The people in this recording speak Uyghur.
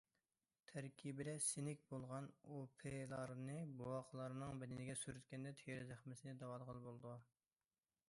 تەركىبىدە سىنك بولغان ئۇپىلارنى بوۋاقلارنىڭ بەدىنىگە سۈرتكەندە تېرە زەخمىسىنى داۋالىغىلى بولىدۇ.